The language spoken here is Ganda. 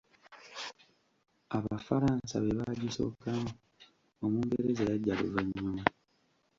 Abafalansa be baagisookamu, Omungereza yajja luvannyuma.